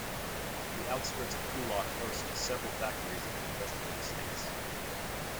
The outskirts of Coolock host several factories and industrial estates.